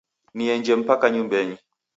Nienje mpaka nyumbenyi